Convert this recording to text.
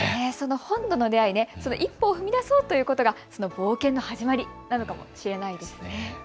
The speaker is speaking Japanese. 本との出会い、一歩踏み出そうということが冒険の始まりなのかもしれないですね。